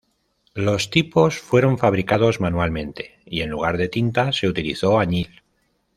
Los tipos fueron fabricados manualmente y en lugar de tinta se utilizó añil.